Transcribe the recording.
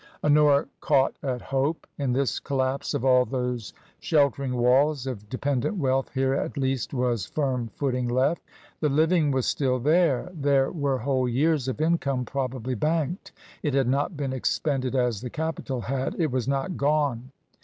Honora caught at hope. In this collapse of all those sheltering walls of dependent wealth here at least was firm footing left. The Living was still there. There were whole years of income probably banked. It had not been expended as the capital had ; it was not gone.